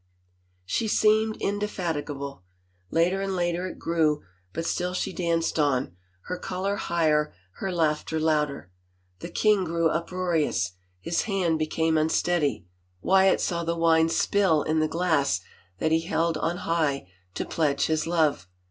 She seemed indefatigable. Later and later it grew but still she danced on, her color higher, her laughter louder. The king grew uproarious, his hand became 222 LADY ANNE ROCHFORD unsteady; Wyatt saw the wine spill in the glass that he held on high to pledge his love.